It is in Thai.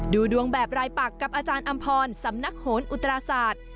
ดูดวงแบบรายปักกับอาจารย์อำพรสำนักโหนอุตราศาสตร์